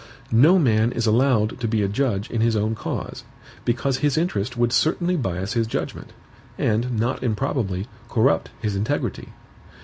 No man is allowed to be a judge in his own cause, because his interest would certainly bias his judgment, and, not improbably, corrupt his integrity.